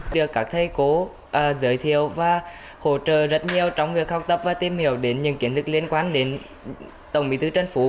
được các thầy cô giới thiệu và hỗ trợ rất nhiều trong việc học tập và tìm hiểu đến những kiến thức liên quan đến tổng bí thư trần phú